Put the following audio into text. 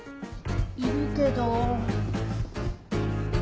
いるけど。